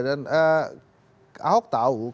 dan ahok tahu